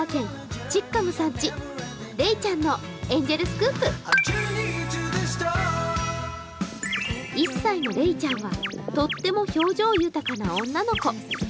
オールインワン１歳のれいちゃんはとっても表情豊かな女の子。